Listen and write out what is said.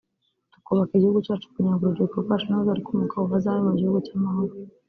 tukubaka igihugu cyacu kugira ngo urubyiruko rwacu n’abazarukomokaho bazabe mu gihugu cy’amahoro